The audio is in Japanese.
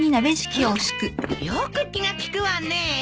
よく気が利くわね。